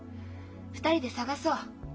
２人で捜そう。